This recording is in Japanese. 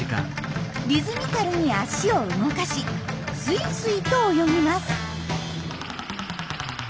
リズミカルに足を動かしスイスイと泳ぎます。